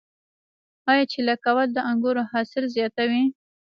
آیا چیله کول د انګورو حاصل زیاتوي؟